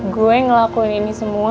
gue ngelakuin ini semua